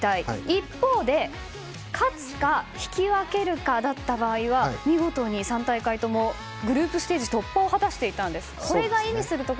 一方で勝つか引き分けるかだった場合は見事に３大会ともグループステージ突破を果たしていたんです。